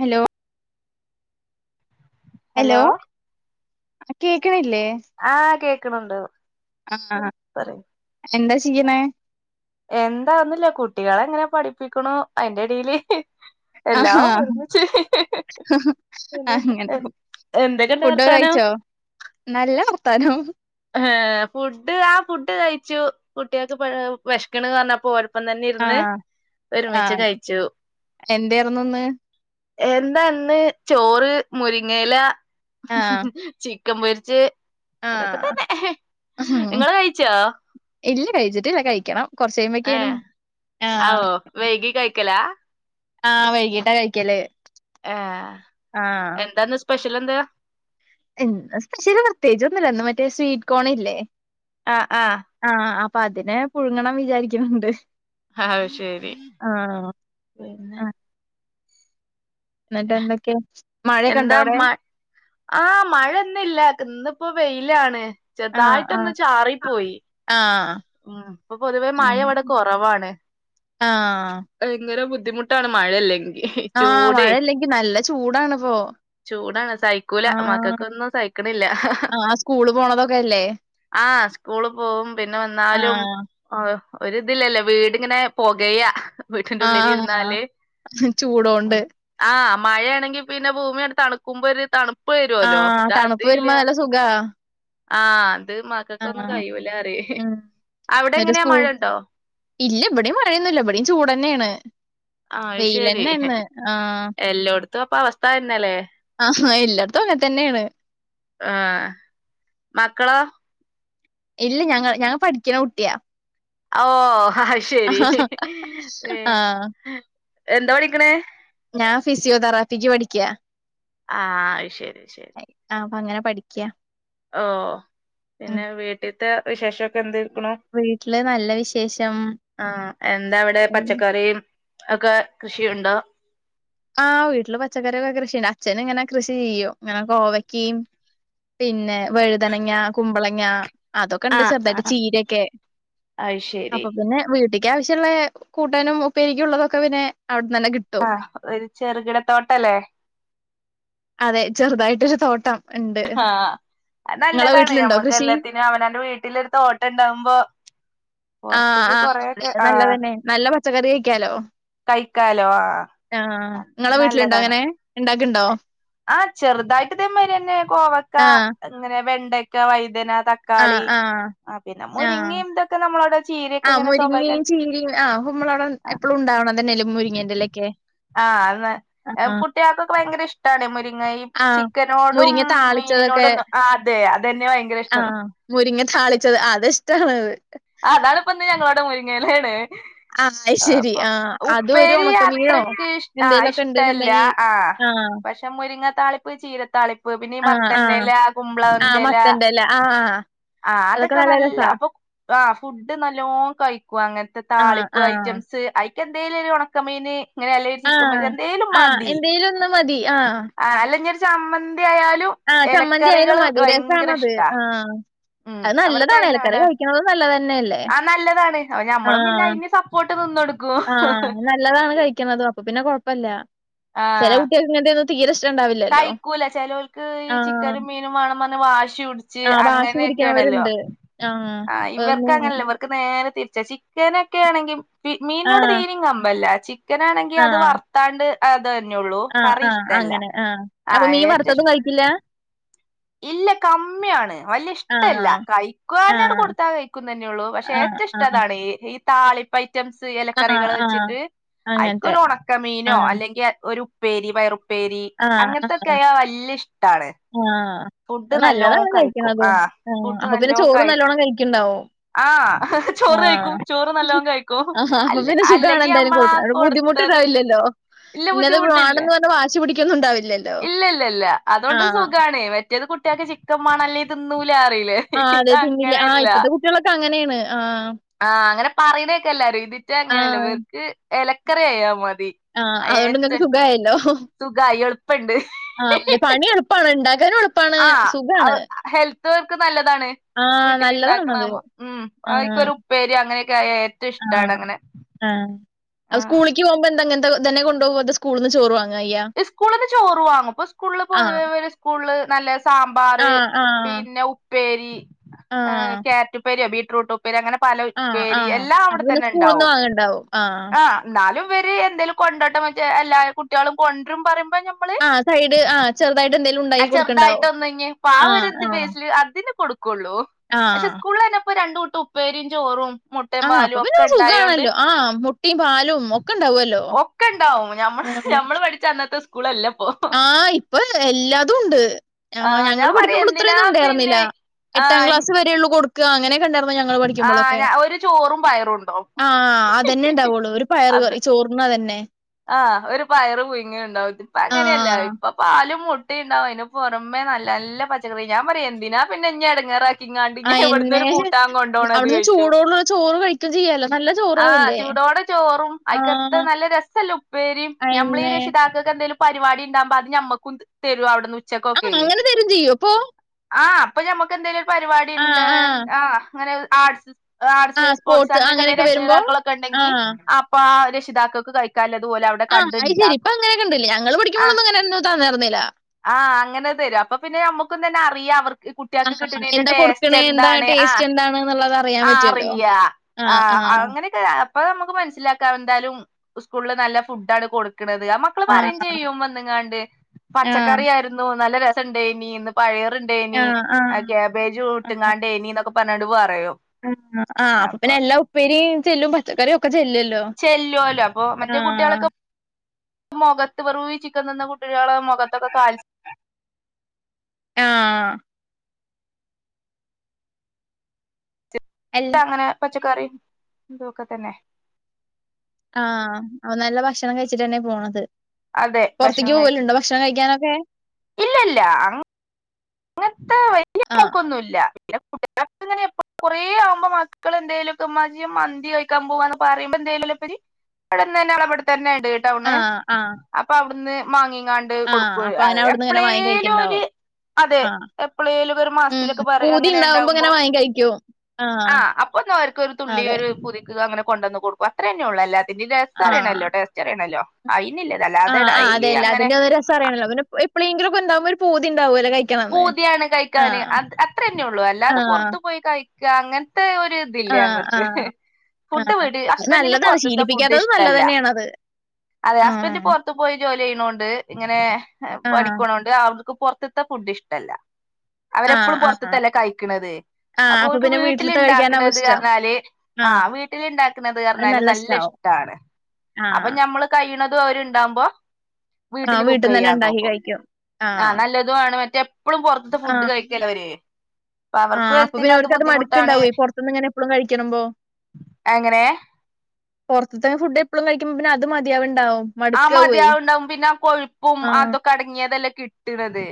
Hello hello ആഹ് കേക്ക്ണില്ലേ? ആഹ് കേക്ക്ണുണ്ടു. ആഹ് എന്താ ചെയ്യ്ണേ? എന്താ ഒന്നുല്ല കുട്ടികളെ ങ്ങനെ പഠിപ്പിക്ക്ണൂ അയ്ന്റെടെല് ആഹാ എല്ലാം ഒരോന്ന് പിന്നെ അങ്ങനെ എ എന്തെക്കെണ്ട് ഫുഡൊക്കെ വർത്താനം? കഴിച്ചോ നല്ല വർത്താനം. ഏഹ് ഫുഡ് ആഹ് ഫുഡ് കഴിച്ചു കുട്ട്യേക്ക് പഴ് വെശ്ക്ക്ണ്ന്ന് പർഞ്ഞപ്പോ അപ്പം തന്നെ ഇര്ന്ന് ആഹ് ഒരുമിച്ച് ആഹ് കഴിച്ചു. എന്തായിരുന്നു ഇന്ന് എന്താ ഇന്ന് ചോറ്, മുരിങ്ങ എല, ആഹ് ചി ക്കം പൊര്ച്ചേ. ആഹ് ഹ് ഉം നിങ്ങള് കഴിച്ചോ ഇല്ല കഴിച്ചിട്ടില്ല കഴിക്കണം. കൊറച്ച് കഴിയുമ്പഴേക്കേനും ഏഹ് ആഹ് ആവോ വൈകി കഴിക്കലാ? ആഹ് വൈകിട്ടാ കഴിക്കല്. ആഹ് ആഹ് എന്താന്ന് സ്പെഷ്യലെന്താ? ഇന്ന് സ്പെഷ്യല് പ്രത്യേകിച്ചൊന്നൂല്ല ഇന്ന് മറ്റേ സ്വീറ്റ് കോണില്ലേ. ആഹ് ആഹ് ആഹ് അപ്പതിനെ പുഴുങ്ങണം വിചാരിക്ക്ണ് ണ്ട്. അയ് ശെരി പിന്നെ ന്നട്ട് എന്തെക്കെ? എന്താ മ ആഹ് മഴ ന്ന് ല്ല ക്ക്ന്ന്പ്പോ വെയിലാണ്. ആഹ് ആഹ് ചെറ്തായിട്ടൊന്ന് ചാറിപ്പോയി. ആഹ് ഉം ഇപ്പൊ പൊതുവേ മഴ ഇവടെ കൊറവാണ്. ആഹ് ഭയങ്കര ബുദ്ധിമുട്ടാണ് മഴെല്ലെങ്കി. ആഹ് മഴല്ലെങ്കി നല്ല ചൂടാണ്പ്പോ. ചൂടാണ് സഹിക്കൂല മക്കക്കൊന്നും സഹിക്ക്ണില്ല. ആഹ് സ്കൂള് പോണതൊക്കെയല്ലേ ആഹ് സ്കൂള് പോവും പിന്നെ വ ന്നാലും ആഹ് ആഹ് ഒരിതില്ലല്ലോ വീട്ങ്ങനെ പൊകയ്യാ. ആഹ് വീട്ടിൻ്റുള്ളിലിര്ന്നാല് ഉം ചൂടോണ്ട് ആഹ് മഴാണെങ്കി പിന്നെ ഭൂമിങ്ങട്ട് തണ്ക്കുമ്പോ ഒരിതാണ്. പ്പെരോല്ലോ ആഹ് തണുപ്പ് ഇതതില്ല. വരുമ്പോ നല്ല സുഖാ ആഹ് ത് മക്കക്കൊന്നും കഴിയൂലാറ്യേ. ന്നട്ട് സ്കൂ ഇല്ല ഇവടിം മഴൊന്നുല്ല ഇവടിം ചൂടെന്നെണ്. ആയി ശെരി എല്ലോട്ത്തു അപ്പ വസ്ഥതെന്നെല്ലേ. ആഹ എല്ലോട്ത്തു അങ്ങൻതെന്നെണ്. ആഹ് മക്കളോ? ഇല്ല ഞങ്ങ ഞങ്ങ പഠിക്കുന്ന കുട്ടിയാ ഓഹ് അയ്ശരി പിന്നെ ആഹ് എന്താ പഠിക്കണേ ഞാൻ ഫിസിയോതെറാപ്പിക്ക് പഠിക്കാ ആഹ് ശരി ശരി അപ്പൊ അങ്ങനെ പഠിക്കാ ഓഹ് ഉം പിന്നെ വീട്ടിത്തെ വിശേഷക്കെ എന്ത്ക്കണ വീട്ടില് നല്ല വിശേഷം ആഹ് എന്താ ഇവിടെ എല്ല പച്ചക്കറി ഒക്കെ കൃഷിയുണ്ടോ ആഹ് വീട്ടില് പച്ചക്കറിയൊക്കെ കൃഷിയണ്ട് അച്ചന് ഇങ്ങനെ കൃഷി ചെയ്യോ ഇങ്ങനെ കോവയ്ക്കിം പിന്നെ വഴുതനങ്ങ കുമ്പളങ്ങ അതൊക്കെ ഉണ്ട് ആഹ് ചർദായിട്ട് ആഹ് ചീരൊക്കെ അത് ശരി അപ്പൊ പിന്നെ വീട്ടിൽ അത്യാവശ്യള്ള കൂട്ടാനും ഒപ്പരിക്കും ഉള്ളതൊക്കെ പിന്നെ അവിടുന്നെ കി ആഹ് ഒരു ചെറുകിടത്തോട്ടല്ലേ അതെ ചെറുതായിട്ടൊരു തോട്ടം ഉണ്ട് ആഹ് അ നിങ്ങളെ നല്ലതാണ് വീട്ടിലുണ്ടോ ഞമ്മക്ക് കൃഷി എല്ലാത്തിനും അവനന്റെ വീട്ടില് ഒരു തോട്ടം ഉണ്ടാവുമ്പോ ആഹ് പൊറത്ത്ക്ക് ആഹ് കൊറേയൊക്കെ അതെ ആഹ് നല്ലതന്നെ നല്ല പച്ചക്കറി കഴിക്കാലോ കഴിക്കാലോ ആഹ് ആഹ് നിങ്ങളെ വീട്ടിലുണ്ടോ നല്ലതാണ് അങ്ങനെ ഉണ്ടാക്കുണ്ടോ ആഹ് ചെറുതായിട്ട് ഇതേ മാരി തന്നെ കോവക്ക ആഹ് അങ്ങനെ വെണ്ടക്ക വൈതന ത ആഹ് ആഹ് ആഹ് ഇതൊക്കെ നമ്മളവിടെ ചീരയൊക്കെ ആഹ് ഇങ്ങനെ മുരിങ്ങയും സ്വാഭാവികായി ചീരയും ആഹ് കുമ്മളവിട എപ്പഴും ഉണ്ടാവണതന്നല്ലെ മുരിങ്ങന്റെലയൊക്കെ ആഹ് ന കുട്ടികൾക്കൊക്കെ ഭയങ്കര ഇഷ്ട്ടാണേ മുരിങ്ങ ഈ ആഹ്. ചിക്കനോടും മുരിങ്ങ താളിച്ചതൊക്കെ മീനിനോടൊന്നും ആഹ് അതെ അതന്നെ ഭയങ്കര ഇഷ്ട ആഹ് മുരിങ്ങ താളിച്ചത് അത് ഇഷ്ട്ടാൺ ആഹ് അതാണ് ഇപ്പ ഇന്ന് ഞങ്ങളവിടെ മുരിങ്ങയിലയാണ് ആഹ് അയ്ശരി അപ്പൊ ആഹ് അതും ഒരു ഉപ്പേരി ഒണക്കമീനോ അത്രക്ക് ആഹ് എന്തേലൊക്കെ ഇഷ്ടല്ല ഇണ്ട്ന്ന്ണ്ടെങ്കി ആഹ് പക്ഷെ മുരിങ്ങ താളിപ്പ് ചീരത്താളിപ്പ് പിന്നെ ഈ ആഹ് ആഹ് മത്തൻ്റെല കുമ്പള ആഹ് മത്തന്റെല്ല ആഹ് ആഹ് അതൊക്കെ നല്ല അപ്പൊ ആഹ് ഫുഡ് നല്ലോ കഴിക്കു അങ്ങനത്തെ ആഹ് താളിപ്പ് ആഹ് ഐറ്റംസ് ക്ക് എന്തേലും ഒരു ഉണക്കമീന് ഇങ്ങനെ അല്ല ചിക്കൻ ആഹ് പൊരിച്ച എന്തെലും ആഹ് മതി എന്തേലും ഒന്ന് മതി ആഹ് അല്ല ചമ്മന്തി ആയാലും ആഹ് ചമ്മന്തി ആയാലും എലക്കറികള് മതി ഭയങ്കര രസാണത് ഇഷ്ടാ ആഹ് ഉം അത് നല്ലതാണ് ഇലക്കറി കഴിക്കുന്നതും നല്ലതന്നെല്ലേ ആഹ് നല്ലതാണ് അ ഞമ്മളും പിന്നെ അയ്ന് സപ്പോർട്ട് നിന്ന് കൊടു ആഹ് നല്ലതാണ് കഴിക്കുന്നത് അപ്പൊ പിന്നെ കൊഴപ്പല്ല ചെല ആഹ് കുട്ട്യേൾക്ക് ഇങ്ങൻത്തെയൊന്നും തീരെ ഇഷ്ടണ്ടാവില്ലല്ലോ കഴിക്കൂല ചിലോൾക്ക് ഈ ആഹ്. ചിക്കനും മീനും വേണം പറ വാശി ഷിയുടിച്ച് ആഹ് വാശി അങ്ങനൊക്കെ ആണല്ലോ പിടിക്കണവരുണ്ട്. ആഹ് ഒന്നും ഇവർക്കങ്ങനല്ല വർ ക് നേരെ തിരിച്ച ചിക്കനൊക്കെ ആണെങ്കിൽ മീനിനോട് ആഹ് തീരം കമ്പല്ല ചി ചിക്കനാണെങ്കിൽ അത് ആഹ് വറുത്താണ്ട് അത് തന്നെള്ളൂ ആഹ് കറി ആഹ് ഇഷ്ടല്ല ആഹ് ഏറ്റവും ഇ ഇല്ല ഇല്ല കമ്മിയാണ് വല്ല ഇഷ് ആഹ് ഇഷ്ടല്ല കഴിക്കാനോട് ആഹ് കൊടുത്താ കഴിക്കുന്നന്നെള്ളൂ പക്ഷേ ആഹ് ഏറ്റവും ഇഷ്ട ആഹ് അതാണ് ഈ താളിപ്പ് ഐറ്റംസ് ആഹ് ഇലക്കറികൾ ആഹ് വെച്ചിട്ട് അങ്ങനത്തെ അയ്ക്കൊരു ഉണക്കമീനോ ആഹ് അല്ലെങ്കിൽ ഒരു പ്പേരി വയറുപ്പേരി ആഹ് ആഹ് അങ്ങനത്തെൊക്കെ ആയ വല്ല്യ ഇഷ്ടണ് ആഹ് അത് നല്ലതാണ് കഴിക്കുന്നതും ആഹ് ഫുഡ് അപ്പൊ പിന്നെ നല്ലോം ചോറ് കഴിക്കും നല്ലോണ്ണം കഴിക്കണ്ടാവും ആഹ് ചോറ് കഴിക്കും ആഹ് ചോറ് നല്ലോം കഴിക്കും ആഹ് അപ്പൊ അല്ല പിന്നെ സുഖാണ് അല്ലെങ്കി എന്തായാലും നമ്മളാ കൊടുക്കാ ബുദ്ധിമു കൊടുത്തത് ട്ടുണ്ടാവില്ലല്ലോ ഇല്ല ബുദ്ധിമുട്ടില്ല ന്ന് വാശി പിടിക്കുന്നുണ്ടാവില്ല ൽ ഇല്ല ല്ല ല്ല അതോണ്ട് സുഖാണ് മറ്റേത് കുട്ട്യാക്ക് ചിക്കം മാണം അല്ലേല് തിന്നൂലാ പറയൂലേ ആഹ് അതെ തിന്നില്ല ആഹ് ഇപ്പത്തെ കുട്ട്യാളൊക്കെ അങ്ങനെയാണ് ആഹ് ആഹ് അങ്ങനെ പറയണേക്കല്ലാരും ഇതിറ്റ അങ്ങനെയല്ല ആഹ് ഇവർക്ക് ഇലക്കറി ആയാ മതി ആഹ് അഹ് അതുകൊണ്ട് ഏറ്റവും ഇങ്ങക്ക് ഇഷ്ട സുഖായല്ലോ. സുഖായിളെ പ്പ ഇപ്പണ്ട് ആ അല്ല പണി എളുപ്പാണ്. ഇണ്ടാക്കാനും എളുപ്പാണ്. ആഹ് സുഖാണ്. അഹ് ഹെൽത്ത് വർക്ക് നല്ലതാണ് ആ നല്ലതാണത്. വീട്ടില്ണ്ടാക്ണാഉമ്പ ആ അയ്ക്കൊരു ഉപ്പേരി അങ്ങനെയൊക്കെയാ ഏറ്റവും ഇഷ്ടാണ് അങ്ങനെ ആഹ് ആഹ് സ്കൂളിക്ക് പോകുമ്പോ എന്ത ങ്ങനത്തതന്നെ കൊണ്ടുപോവ അതോ സ്കൂളിന്ന് ചോറ് വാങ്ങാ എയാ ഇസ്കൂളിന്ന് ചോറ് വാങ്ങും ഇപ്പോ സ്കൂളില് പൊതുവേ ഇവരെ സ്കൂളില് നല്ല സാ ആ മ്പാറ് ആ. പിന്നെ ഉപ്പേരി എഹ് ആ. ക്യാരറ്റ് ഉപ്പേര്യോ ബീട്രൂട്ട് ഉപ്പ് പേരി അങ്ങനെ പല ആ ആ. പ്പേരി എല്ലാം അപ്പൊ അവിടെ പിന്നെ തന്നെ സ്കൂൾന്ന് ഉണ്ടാവും വാങ്ങണ്ടാവും. ആ. ആഹ് ന്നാലും ഇവര് എന്തേലും കൊണ്ടോട്ടേമ്മച്ചി എല്ലാ കുട്ട്യോളും കൊണ്ട് രും പറയുമ്പോ മ്മള് ആഹ് സൈഡ് ആഹ് ചെറുതായിട്ട് എന്തേലുണ് അഹ് ചെറുതായിട്ടൊന്ന് ഞ്ഞി പ്പോ ആ ഒരു ഇത് ബേസില് അതിന് കൊടുക്കു ക്കൊള്ളൂ ആ. പക്ഷെ സ്കൂളില്ല്ന്നെപ്പോ രണ്ട് കൂട്ട ഉപ്പേരീം ചോറും മുട്ടയും ആഹ് അപ്പൊ പാലും പിന്നെ ഒക്കെ ഉണ്ടായോണ്ട് സുഖാണല്ലോ ആഹ് മുട്ടീം പാലും ഒക്കെ ഉണ്ടാവല്ലോ ക്കെണ്ടാവും ഞമ്മൾ ആ ഞമ്മള് പഠിച്ചന്നത്തെ സ്കൂളല്ലപ്പോ ആഹ് ഇപ്പൊ എല്ലാതും ഉണ്ട് ആ ആഹ് ഞങ്ങള് ഞാൻ പറയാ പഠിക്കുമ്പള് എന്തിനാ ഇത്രയൊന്നും ഉണ്ടായിരുന്നില്ല പിന്നെ എട്ടാം ക്ലാസ്സ് ആ വരെ ഒള്ളൂ കൊടു ക്ക അങ്ങനെക്കെ ഉണ്ടായിരുന്നു ഞങ്ങള് പഠിക്കുമ്പോളൊക്കെ ആ ഒരു ചോറും പയറും ഉണ്ടാവും ആഹ് അതെന്നെ ണ്ടാവൊള്ളൂ പയറ് കറി ചോറ്നതന്നെ ആഹ് ഒരു പയറ് പുയുങ്ങ്യ ഉണ്ടാവൊള്ളൂ ഇപ്പ അങ്ങനെയല്ല ആഹ് ഇപ്പൊ പാലും മുട്ടേണ്ടാവും അയ്ന് പുറമെ നല്ല നല്ല പച്ചക്കറി ഞാൻ പറയും എന്തിനാ പിന്നെ ഇഞ്ഞി എടങ്ങേറാ യിങ്ങാണ്ട് ഇഞ്ഞിവിടന്ന് അയന്നെ ഒരു കൂട്ടാം കൊണ്ടോണത് അവിടുന്ന് ചോയിക്കും ചൂടോടുള്ള ചോറ് കഴിക്കും ചെയ്യാലോ നല്ല ആഹ് ചോറാവില്ലേ ചൂടോടെ ചോറും അയിക്കത്ത് ആഹ് നല്ല രസ ലുപ്പേരീം ഞമ്മളീ അയന്നെ രക്ഷിതാക്കക്ക് എന്തേലും പരിപാടി ഇണ്ടാമ്പോ അത് ഞമ്മക്കും തരും അവിടെന്ന് ഉച് ആഹ് ച്ചക്കൊക്കേ അങ്ങനെ തരും ചെയ്യും അപ്പൊ ആഹ് അപ്പൊ ഞമ്മക്കെന്തേലും പരിപാടി ണ്ട് ആഹ് ഇങ്ങനെ ആർട്സ് ആർട്സ് ആഹ് സ്പോർട്സ് അങ്ങനൊക്കെണ്ടെ അങ്ങനെയൊക്കെ വരുമ്പോ രക്ഷിതാക്കളൊക്കെണ്ടങ്കി ആഹ് അപ് പ്പാ രക്ഷിതാക്കക്ക് കഴിക്കാല്ലതും ഓലവിടെ ആഹ് അഹ് ശരി പ്പങ്ങനൊക്കെണ്ടല്ലേ ഞങ്ങള് ആഹ് പഠിക്കുമ്പോളൊന്നും ങ്ങനൊന്നും തന്നേർന്നില്ല ആഹ് അങ്ങനെ തരും അപ്പൊ പിന്നെ ഞമ്മുക്കു തന്നെ അറിയാം അവർ ക്ക് കുട്ട്യാക്ക് ആഹ് കിട്ടണേന്റെ എന്താ ടേസ്റ്റ് കൊടുക്കണേ എന്താ എന്താണ് ആഹ് ടേസ്റ്റ് എന്താണ് എന്നുള്ളത് അറിയാൻ ആഹ് പറ്റുമല്ലോ അറിയാ ആ, ആ, ആഹ് അങ്ങനെ ക്കെ അപ്പൊ നമുക്ക് മനസ്സിലാക്കാം എന്തായാലും സ്കൂളില് നല്ല ഫുഡാണ് കൊടുക്കണത് മ്മക്ക് ക്കള് ആ, പറയും ചെയ്യും വന്നങ്ങാണ്ട് ആ, പച്ചക്കറിയായിരുന്നു നല്ല രസണ്ടേയിനീന്ന് ആ, പഴയറുണ്ടേനി ആ, അഹ് ക്യാബേജും ഇട്ട്ങ്ങാണ്ടേനി ന്നൊക്കെ പറഞ്ഞോങ്ങാണ്ട് പറയും ഉം ആ അപ്പൊ പിന്നെ എല്ലാ ഉപ്പേരീം ചെല്ലും പച്ചക്കറി ഒക്കെ ചെല്ലുല്ലോ ചെല്ലോല്ലോ അപ്പൊ മറ്റേ കുട്ടികളൊക്കെ മുഖത്ത് വെറും ഈ ചിക്കം തിന്ന കുട്ട്യാളെ മുഖത്തൊക്കെ കാൽ ആഹ് അൽ അങ്ങനെ പച്ചക്കറീം ഇതും ഒക്കെ തന്നെ ആഹ് നല്ല ഭക്ഷണം കഴിച്ചിട്ട്ന്നെ പോണത് അതെ പുറത്ത്ക്ക് ഭക്ഷണം കഴിച്ച് പോവലുണ്ടോ ഭക് ക്ഷണം കഴിക്കാനൊക്കെ ഇല്ലല്ല അങ്ങൻത്തെ വല്ല്യ ആ, പോക്കൊന്നൂല്ല [unintelligible] [unintelligible] കൊറേ ആവുമ്പോ മക്കളെ എന്തേലുക്കെ മ്മാച്ചീ മന്തി കഴിക്കാൻ പോവാന്ന് പറമ്പോ എന്തേലു ഒക്കെരു ഇവിട്ന്നന്നെ വളെ ഇവിടെത്തന്നെ ഇട് ആ, ട്ടഒട്ന്ന് ആ, അപ്പൊ അഒടുന്ന് മാങ്ങിങ്ങാ ണ്ട് ആ, കൊടുക്കും അപ്പൊ അത് അങ്ങനെ അവിടുന്ന് ഇങ്ങനെ വാങ്ങി എപ്പളേലും ഒര് കഴിക്കണ്ടാവും. അതെ ആ, എപ്പളേലുക്കെ ഒരു ഉം, മാസത്തിലൊക്കെ പറയ പൂതി അങ്ങനെ ഉണ്ടാവുമ്പോ ഇണ്ടാവുമ്പോ. ഇങ്ങനെ വാങ്ങി കഴിക്കും. ആ, ആഹ് അപ്പൊന്ന് അവർക്ക് ഒരു തുള്ളി അതെ, ഒരു പുതുക്കുക. അങ്ങനെ കൊണ്ടന്ന് കൊടുക്ക. അത്ര തന്നെയേ ഉള്ളൂ. എല്ലാത്തിന്റെയും ടേസ്റ്റ് ആ, അറിയണല്ലോ ടേസ്റ്റ് അറിയണല്ലോ അയിന്ല്ല ആഹ് ആഹ് അതേ അല്ല അതിന്റെ ഒരു രസം അറിയണല്ലോ പിന്നെ പ് പ്പളേങ്കിലും ഒക്കെ ഉണ്ടാവുമ്പോ ഒരു പൂതി ഉണ്ടാവുല്ലേ കഴി പൂതിയാണ് കഴിക്കാന് അഹ് അത്ര തന്നെയുള്ളൂ ആ, അല്ലാതെ പുറത്തു പോയി കഴിക്ക അങ്ങനത്തെ ഒരു ല്ല ആ, ഞങ്ങൾക്ക് ആ. ഫുഡ് ആഹ്. വീട് അത് ഹസ്ബന്റിന് നല്ലതാണ്. പുറത്തത്തെ ഫുഡ് ശീലിപ്പിക്കാത്തത് നല്ലത് ഇഷ്ടല്ല. തന്നെയാണത്. അതെ ആഹ്. ഹസ്ബൻഡ് പുറത്ത് പോയി ജോലി ചെയ്യണ കൊണ്ട് ഇങ്ങനെ ആഹ്. പണിക്കു പോണ കൊണ്ട് അവർക്ക് പുറത്തെത്തെ ഫുഡ് ഇഷ്ടല്ല ആഹ് അവരെപ്പോഴും ആഹ്. പുറത്തുന്നല്ലേ കഴിക്കണത്. ആഹ് അപ്പൊ ഓല്ക്ക് പിന്നെ വീട്ടിലത്തെ കഴിക്കാനാവും വീട്ടിലുണ്ടാക്കണത് ഇഷ്ടം. പറഞ്ഞാല് ആഹ ആഹ് വീട്ടിൽ ഉണ്ടാക്കുന്നത് അത് പറഞ്ഞാല് നല്ല ഇഷ്ട ഇഷ്ടാവും. താണ് അപ്പൊ ആഹ്. ഞമ്മള് കഴിയണതും അവര് ഉണ്ടാവുമ്പോ ആഹ് വീട്ടില് കുക്ക് വീട്ടിന്ന് തന്നെ ചെയ്യാൻ ഇണ്ടാക്കി നോക്കും. കഴിക്കും. ആഹ ആഹ്. നല്ല ഇതുവാണ് മറ്റേ എപ്പളും പുറത്തെ ഫുഡ് ആഹ് കഴിക്കലാ അവര്. അപ്പൊ ആഹ് അവർക്കും അപ്പൊ പിന്നെ ഹെൽത്തിനകത്ത് ഓർക്ക് അത് ബുദ്ധിമുട്ടാണ് മടുക്കുണ്ടാവുവേ പൊറത്തന്ന് ഇങ്ങനെ എപ്പഴും കഴിക്കണമ്പോ- അങ്ങനെ പുറത്തുന്ന് ഇത്ര ഫുഡ് എപ്പളും കഴിക്കുമ്പ പിന്നെ അത് മതിയാവുണ്ടാവും. ആഹ മതിയാവുണ്ടാവും. പിന്നെ ആഹ കൊഴുപ്പും ആഹ് അതൊക്കെ അടങ്ങിയതല്ലേകിട്ടണത്.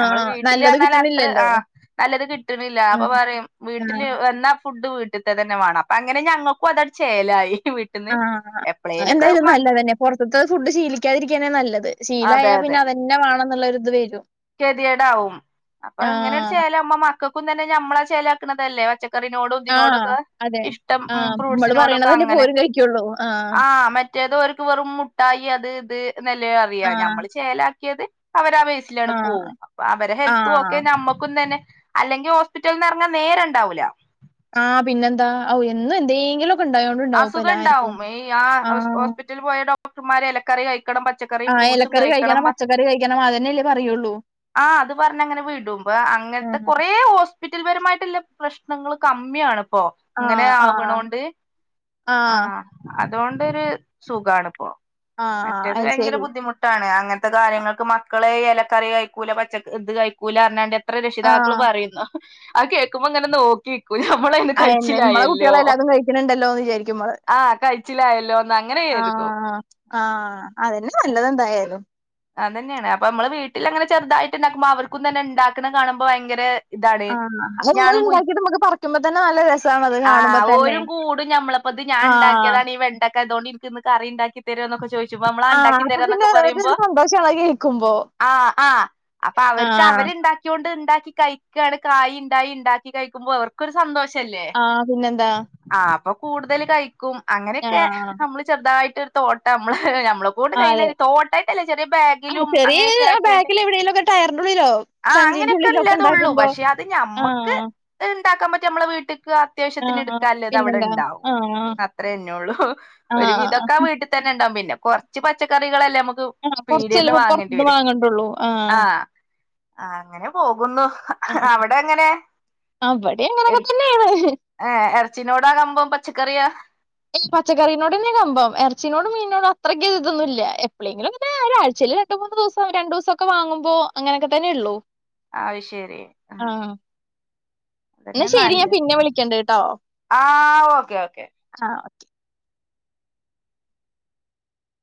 ഞമ്മള് വീട്ടില് നല്ലത് വന്നാല് അത്ര കിട്ടണില്ലല്ലോ. ആഹ നല്ലത് കിട്ടണില്ല. അപ്പൊ ഉം പറയും വീട്ടിൽ ആഹ് വന്നാ ഫുഡ് ത്തെ തന്നെ വേണം. അപ്പൊ അങ്ങനെ ഞങ്ങൾക്കും അത് ഒരു ചേലായി. വി ആഹ് അത് എന്തായാലും നല്ലത് തന്നെ. പുറത്തത്തെ ഫുഡ് ശീലിക്കാതിരിക്കാനേ നല്ലത്. ശീല അതെ ആയാൽ അതെ പിന്നെ അത് ത്തന്നെ വേണം എന്നുള്ളരുഇത് വരും. ഗതികേടാവും അപ്പൊ ഇങ്ങനെ ഒരു ആഹ് ചേലാവുമ്പോ പക്കും തന്നെ നമ്മളെ ചേലാക്കുന്നതല്ലേ പച്ചക്കറിനോടും ആ. നോടൊക്കെ അതെ. ഇഷ്ടം ആ. നമ്മള് ഫ്രൂസിനോടെക്കെ പറയണതല്ലേ ഇപ്പൊ അങ്ങനെ ഓരും കഴിക്കുള്ളൂ. ആ- മറ്റേത് അവർക്ക് വെറും മുട്ടായി അത് ഇത് എന്നല്ലേ ആ. അറിയാം. ഞമ്മള് ചേലാക്കിയത് അവരാ വേസ ആ. പോവും. അപ്പൊ അവരെ ആ. ഹെൽത്തും ഒക്കെ നമ്മുക്കു തന്നെ അല്ലെങ്കി ഹോസ്പിറ്റൽ നിന്ന് ഇറങ്ങാൽ നേരം ഉണ്ടാവൂല. ആഹ പിന്നെ എന്താ? എന്നും എന്തെങ്കിലും ഒക്കെ ഉണ്ടായോ അസുഖം ഉണ്ടാവും. ഈ ആ ഹോസ്പിറ്റലിൽ പോയ ഡോക്ടർമാര് ഇലക്കറി കഴിക്കണം പച്ച ആഹ് ഇലക്കറി കഴിക്കണം, പച്ചക്കറി കഴിക്കണം, അത് തന്നെയല്ലേ പറയുള്ളൂ. ആഹ അത് പറഞ്ഞങ്ങനെ വീടുമ്പോ അങ്ങനത്തെ ഉം. കൊറേ വറ്റിൽപരമായിട്ടുള്ള പ്രശ്നങ്ങള് കമ്മിയാണ് ഇപ്പോ ആ. ഇങ്ങനെ ആ. ആവണോണ്ട്. ആ. ആഹ് അതുകൊണ്ടൊരു സുഖമാണിപ്പോ. ആ. മറ്റേത് ഭയങ്കര അയ്‌ശരി. ബുദ്ധിമുട്ട് ആണ് അങ്ങനത്തെ കാര്യങ്ങൾക്ക് മക്കളെ ഇലക്കറി കഴിക്കൂല പച്ച ഇത് കഴിക്കൂല പറഞ്ഞാണ്ട് അത്ര ആ. രക്ഷിതാക്കള് പറയുന്നു അത് കേൾക്കുമ്പോ ഇങ്ങനെ നോക്കി നിക്കൂലേ നമ്മള് ഇന്ന് കഴിച്ചിലായല്ലോ? ണ്ടല്ലോന്ന് വിചാരിക്കും നമ്മള് ആഹ കഴിച്ചിലായല്ലോ ഒന്ന് അങ്ങനെ കരുതും. ആഹ് അത് തന്നെ നല്ലത് എന്തായാലും അത് തന്നെയാണ് അപ്പൊ നമ്മള് വീട്ടിൽ അങ്ങനെ ചെറുതായിട്ട് ഉണ്ടാക്കുമ്പോ അവർക്കും തന്നെ ഉണ്ടാക്കുന്ന കാണുമ്പോ ഭയങ്കര ഇതാണ് ആ. അത് നമ്മള് ഞാനും ഉണ്ടാക്കിയിട്ട് നമുക്ക് പറിക്കുമ്പോ തന്നെ നല്ല രസാണത് ആഹ കാണുമ്പോ തന്നെ. ഓരും കൂടും ഞമ്മളെ അപ്പ അത് ഞാൻ ആ. ഉണ്ടാക്കിയതാണ് ഈ വെണ്ടയ്ക്ക അതുകൊണ്ട് എനിക്ക് ഇന്ന് കറി ഉണ്ടാക്കിതരുവോ എന്ന് ചോദി ആഹ് അപ്പൊ പിന്നെ സന്തോഷമാണ് അത് കേൾക്കുമ്പോ. ആഹ ആഹ അപ്പൊ അവർക്ക് ആഹ് അവര് ക്കിക്കൊണ്ട് ഉണ്ടാക്കി കഴിക്കുകയാണ് കായ് ഉണ്ടായി ഉണ്ടാക്കി കഴിക്കുമ്പോൾ അവർക്ക് ക്കു ഒരു സന്തോഷല്ലേ. ആഹ് പിന്നെന്താ ആഹ അപ്പൊ കൂടുതൽ കഴിക്കും. അങ്ങനെയൊക്കെ ആഹ് നമ്മള് ചെറുതായിട്ട് ഒരു തോട്ടം നമ്മള് നമ്മള് ണ്ട് ആഹ് അതെ കഴിയണത് തോട്ടായിട്ടല്ല ആഹ് ബാഗിലും ചെറിയ അങ്ങനൊക്കെ ആക്കിയിട്ട് ബാക്കിൽ എവിടെേലുമൊക്കെ ടയറിന്റെ ഉള്ളിലോ ആഹ സഞ്ചിന്റെ ഉള്ളിലോ ഒക്കെ അങ്ങനൊക്കെല്ലേതുള്ളൂ ഉണ്ടാക്കുമ്പോ പക്ഷെ ത് ഞമ്മക്ക്. ആഹ് ത് ഉണ്ടാക്കാൻ പറ്റിയ നമ്മൾ വീട്ടക്ക് അത്യാവശ്യത്തിന് ആഹ് എടുക്കാല്ലേത് അവിടെ പിന്നെന്താ ഉണ്ടാവും. ആഹ് അത്ര തന്നെ ഉള്ളൂ. ഒരുവിധം ആഹ് ഒക്കെ വീട്ടിൽ തന്നെ ഉണ്ടാവും പിന്നെ കുറച്ച് പച്ചക്കറികളല്ലേ നമുക്ക് ആഹ് പീടികേന്ന് കൊറച്ചല്ലേപ്പ വാങ്ങേണ്ടി പുറത്തുന്ന് വരും വാങ്ങണ്ടുള്ളൂ ആഹ് അങ്ങനെ പോകുന്നു. അവിടെ എങ്ങനെ? ആഹ് ഇവിടെ അങ്ങനൊക്കെ തന്നെയാണ് ഏഹ് എറച്ചിനോടാ കമ്പോം പച്ചക്കറിയ ഈ പച്ചക്കറിനോട തന്നെ കമ്പം ഇറച്ചിനോടും മീനോടും അത്രയ്ക്ക ഇതോന്നും ഇല്ല എപ്പോളെങ്കിലും ഒരാഴ്ചയില് രണ്ട് മൂന്ന് ദിവസം രണ്ടു ദിവസൊക്കെ വാങ്ങുമ്പോ അങ്ങനൊക്കെ തന്നെ ഉള്ളൂ ആഹ ശരി ആഹ് എന്ന അതന്നെ ശരി ഞാൻ നല്ലത് പിന്നെ വിളിക്കേണ്ട് കേട്ടോ ആഹ് ഓക്കെ ഓക്കെ ആഹ് ഓക്കെ